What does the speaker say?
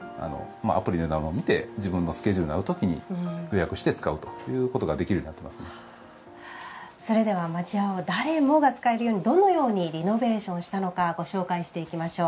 アプリなどで見て自分のスケジュールの合うときに予約して使うということがそれでは町家を誰もが使えるようにどのようなリノベーションしたのかご紹介していきましょう。